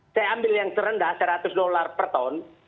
saya ambil yang terendah seratus dolar per ton